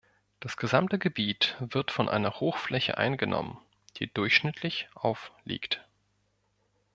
Das gesamte Gebiet wird von einer Hochfläche eingenommen, die durchschnittlich auf liegt.